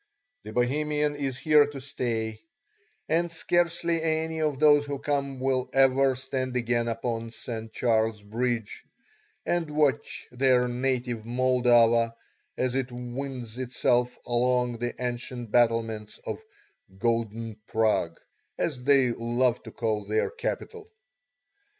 The Bohemian is here to stay, and scarcely any of those who come will ever stand again upon St. Charles bridge, and watch their native Moldava as it winds itself along the ancient battlements of "Golden Prague," as they love to call their capital.